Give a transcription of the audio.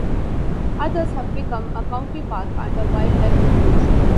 Others have become a county park and a wildlife refuge.